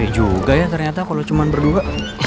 juga ya ternyata kalau cuma berdua